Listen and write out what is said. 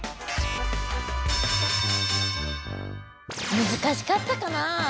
むずかしかったかな？